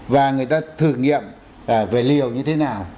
và người ta thử nghiệm về liều như thế nào